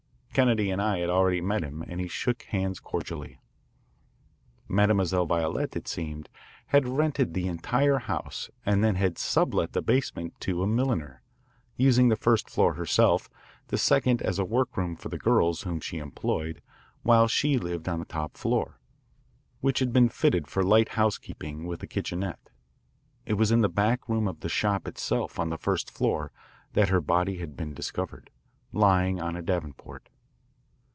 Kennedy and I had already met him and he shook hands cordially. Mademoiselle Violette, it seemed, had rented the entire house and then had sublet the basement to a milliner, using the first floor herself, the second as a workroom for the girls whom she employed, while she lived on the top floor, which had been fitted for light housekeeping with a kitchenette. It was in the back room of the shop itself on the first floor that her body had been discovered, lying on a davenport.